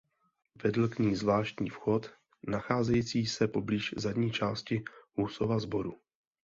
Vedl k ní zvláštní vchod nacházející se poblíž zadní části Husova sboru.